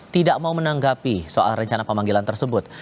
tidak mau menanggapi soal rencana pemanggilan tersebut